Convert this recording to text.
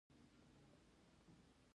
پښتو ژبه ښکلي او ژوره ده.